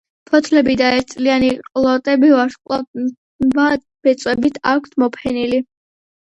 ფოთლები და ერთწლიანი ყლორტები ვარსკვლავა ბეწვებით აქვთ მოფენილი.